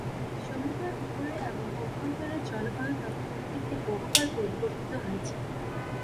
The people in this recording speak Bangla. সমুদ্রের উপরে এবং অভ্যন্তরে জলবায়ু তখন থেকে বহুবার পরিবর্তিত হয়েছে।